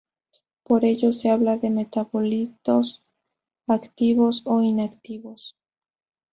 Por ello se habla de metabolitos activos, o inactivos.